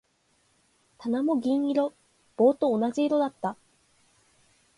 棚も銀色。棒と同じ色だった。